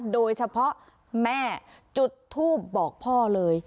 โดยเฉพาะแม่จุดทูปบอกพ่อเลย